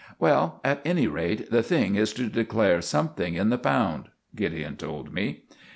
"Well, at any rate, the thing is to declare something in the pound," Gideon told me.